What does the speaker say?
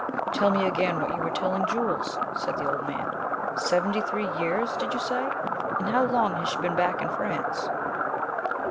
"Tell me again what you were telling Jules," said the old man. "Seventy three years, did you say? And how long has she been back in France?"